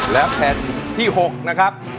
และแผ่นที่๖นะครับ